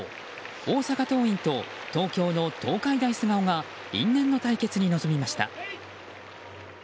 大阪桐蔭と東京の東海大菅生が因縁の対決に臨みました。